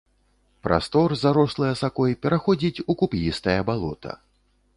Прастор, зарослы асакой, пераходзіць у куп'істае балота.